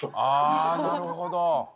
ああなるほど。